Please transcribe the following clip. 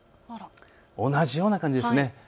同じような感じです。